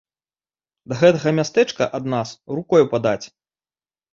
Да гэтага мястэчка ад нас рукою падаць.